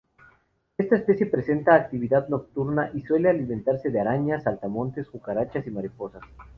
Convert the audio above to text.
Esta especie presenta actividad nocturna y suele alimentarse de arañas, saltamontes, cucarachas y mariposas.